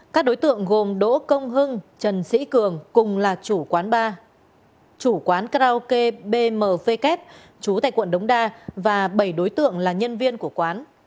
các đối tượng gồm đỗ công hưng trần sĩ cường cùng là chủ quán bar chủ quán karaoke bmw kép chú tại quận đống đa và bảy đối tượng là nhân viên của quán